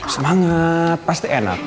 semangat pasti enak